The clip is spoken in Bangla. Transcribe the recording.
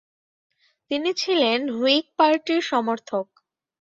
তিনি ছিলেন হুইগ পার্টির সমর্থক।